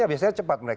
biasanya cepat mereka